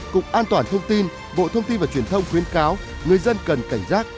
cục an toàn thông tin bộ thông tin và truyền thông khuyến cáo người dân cần cảnh giác